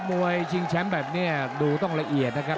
มวยชิงแชมป์แบบนี้ดูต้องละเอียดนะครับ